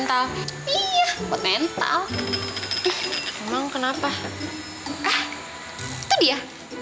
ah itu dia